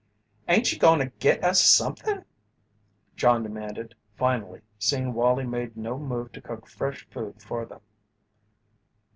"Ain't you goin' to git us somethin'?" John demanded, finally, seeing Wallie made no move to cook fresh food for them.